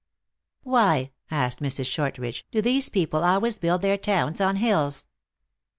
" Why," asked Mrs. Shortridge, " do these people always build their towns on hills?"